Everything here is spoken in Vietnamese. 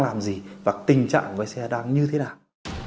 làm gì và tình trạng với xe đang như thế nào